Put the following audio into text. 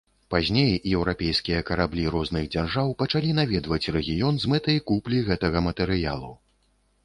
Пазней еўрапейскія караблі розных дзяржаў пачалі наведваць рэгіён з мэтай куплі гэтага матэрыялу.